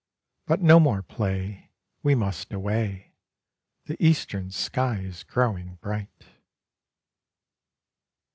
But no more play We must away, The eastern sky is growing bright.